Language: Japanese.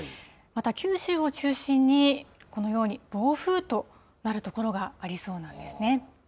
また九州を中心に、このように暴風となる所がありそうなんですね。